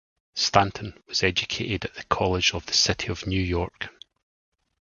Stanton was educated at the College of the City of New York.